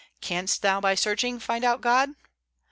"Canst thou by searching find out God?"